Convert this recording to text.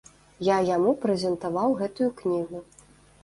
Я яму прэзентаваў гэтую кнігу.